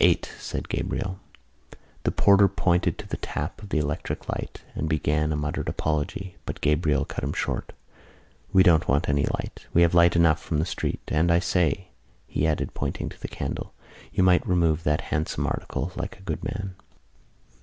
"Eight," said Gabriel. The porter pointed to the tap of the electric light and began a muttered apology but Gabriel cut him short. "We don't want any light. We have light enough from the street. And I say," he added, pointing to the candle, "you might remove that handsome article, like a good man."